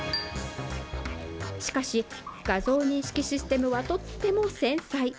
しかし、画像認識システムはとっても繊細。